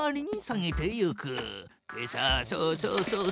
さあそうそうそう。